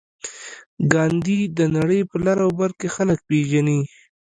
ګاندي د نړۍ په لر او بر کې خلک پېژني.